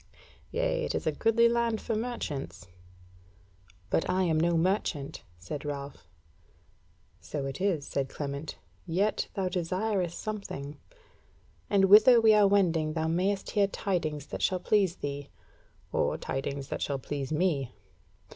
Yea, it is a goodly land for merchants." "But I am no merchant," said Ralph. "So it is," said Clement, "yet thou desireth something; and whither we are wending thou mayst hear tidings that shall please thee, or tidings that shall please me.